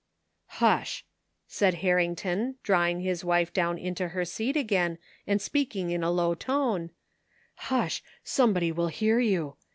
"" Hush !" said Harrington, drawing his wife down into her seat again and speaking in a low tone :*' Hush ! Somebody will hear you.